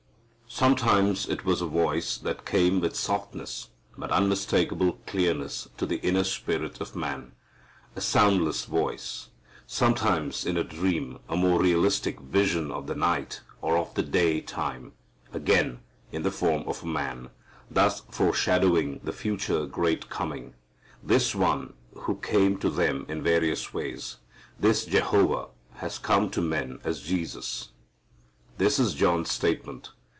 Sometimes it was a voice that came with softness but unmistakable clearness to the inner spirit of man, a soundless voice. Sometimes in a dream, a more realistic vision of the night or of the day time; again, in the form of a man, thus foreshadowing the future great coming. This One who came to them in various ways, this Jehovah has come to men as Jesus. This is John's statement.